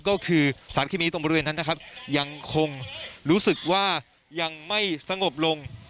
ก็คือสารเคมีตรงบริเวณนั้นนะครับยังคงรู้สึกว่ายังไม่สงบลง